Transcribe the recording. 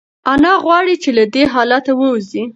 انا غواړي چې له دې حالته ووځي.